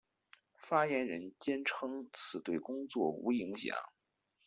发言人坚称此对工作无影响。